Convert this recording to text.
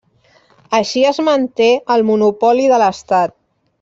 Així es manté el monopoli de l'Estat.